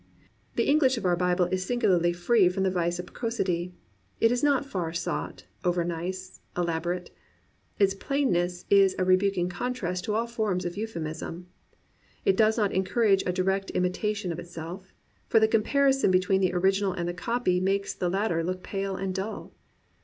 The English of our Bible is singularly free from the vice of preciosity : it is not far sought, overnice, elaborate. Its plainness is a rebuking contrast to all forms of euphuism. It does not encourage a direct imitation of itself; for the comparison be tween the original and the copy makes the latter look pale and dull.